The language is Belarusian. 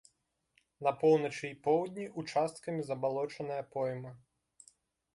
На поўначы і поўдні ўчасткамі забалочаная пойма.